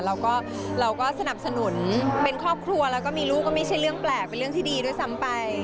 แล้วก็เราก็สนับสนุนเป็นครอบครัวแล้วก็มีลูกก็ไม่ใช่เรื่องแปลกเป็นเรื่องที่ดีด้วยซ้ำไป